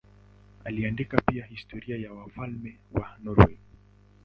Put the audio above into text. Aliandika pia historia ya wafalme wa Norwei.